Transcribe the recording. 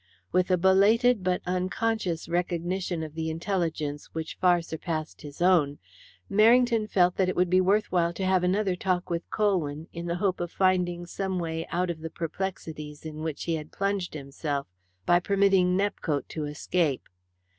With a belated but unconscious recognition of an intelligence which far surpassed his own, Merrington felt that it would be worth while to have another talk with Colwyn, in the hope of finding some way out of the perplexities in which he had plunged himself by permitting Nepcote to escape.